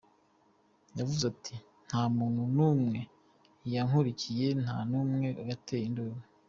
Yavuze ati: "Nta muntu n'umwe yankurikiye, nta n'umwe yateye induru.